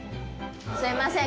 すいません。